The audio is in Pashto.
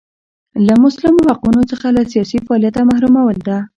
له مسلمو حقونو څخه له سیاسي فعالیته محرومول ده.